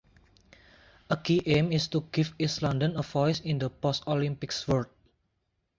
A key aim is to give East London a voice in the post-Olympics world.